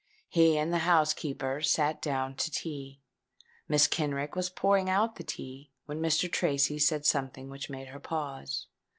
He and the housekeeper sate down to tea. Mrs. Kenrick was pouring out the tea, when Mr. Tracy said something which made her pause.